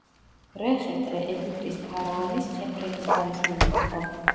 რეხეტრე ეგვიპტის ფარაონის ხეფრენის ქალიშვილი იყო.